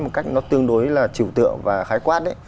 một cách nó tương đối là chiều tượng và khái quát